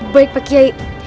baik pak kiai